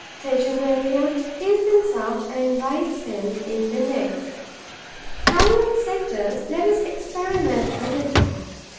Tegenaria hastens up and bites him in the neck. Having said this, let us experiment a little.